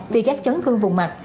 vì gác chấn thương vùng mặt